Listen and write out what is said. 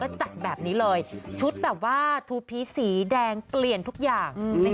จัดแบบนี้เลยชุดแบบว่าทูพีสีแดงเปลี่ยนทุกอย่าง